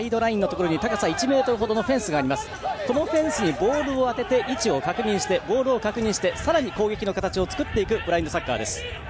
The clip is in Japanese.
このフェンスにボールを当てて位置とボールを確認してさらに攻撃の形を作っていくブラインドサッカーです。